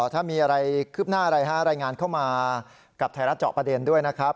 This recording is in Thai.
ถ้ามีอะไรคืบหน้าอะไรฮะรายงานเข้ามากับไทยรัฐเจาะประเด็นด้วยนะครับ